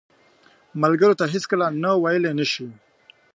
ملګری ته هیڅکله نه ویلې نه شي